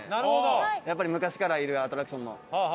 やっぱり昔からいるアトラクションの。